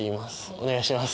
お願いします。